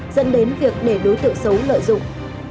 dẫn đến việc để đối tượng xấu lợi dụng